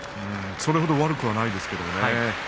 それほど悪くはないですね。